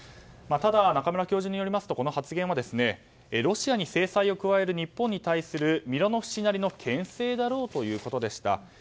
ただ、中村教授によりますとこの発言はロシアに制裁を加える日本に対するミロノフ氏なりの牽制だろうということでした。